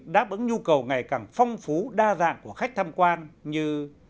đáp ứng nhu cầu ngày càng phong phú đa dạng của khách tham quan như